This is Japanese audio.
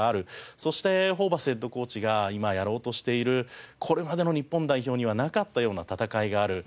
そしてホーバスヘッドコーチが今やろうとしているこれまでの日本代表にはなかったような戦いがある。